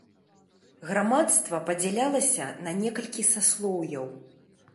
Грамадства падзялялася на некалькі саслоўяў.